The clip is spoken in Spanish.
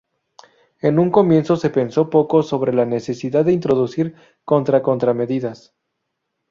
En un comienzo se pensó poco sobre la necesidad de introducir contra-contramedidas.